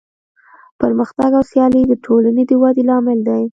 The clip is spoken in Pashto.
پرمختګ او سیالي د ټولنې د ودې لامل دی.